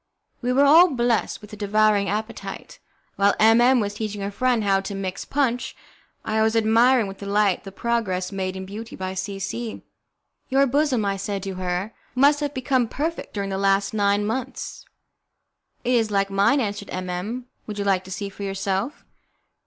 We were all blessed with a devouring appetite. While M M was teaching her friend how to mix punch, I was admiring with delight the progress made in beauty by C C . "Your bosom," I said to her, "must have become perfect during the last nine months." "It is like mine," answered M M , "would you like to see for yourself?"